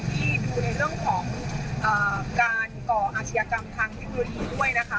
ที่ดูในเรื่องของการก่ออาชญากรรมทางเทคโนโลยีด้วยนะคะ